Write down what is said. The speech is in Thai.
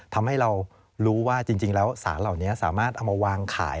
ทำให้เรารู้ว่าจริงแล้วสารเหล่านี้สามารถเอามาวางขาย